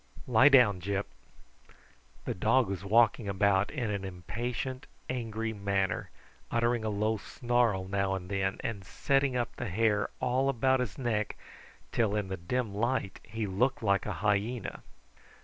Lie down, Gyp!" The dog was walking about in an impatient angry manner, uttering a low snarl now and then, and setting up the hair all about his neck till in the dim light he looked like a hyena.